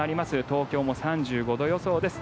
東京も３５度予想です